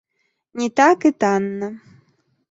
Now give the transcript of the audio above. Не так і танна.